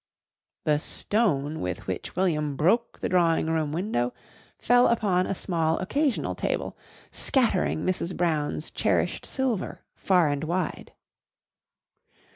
The stone with which William broke the drawing room window fell upon a small occasional table, scattering Mrs. Brown's cherished silver far and wide.